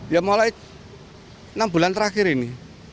ya mulai enam bulan terakhir ini